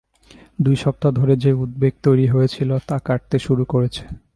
দুই সপ্তাহ ধরে যে উদ্বেগ তৈরি হয়েছিল, তা কাটতে শুরু করেছে।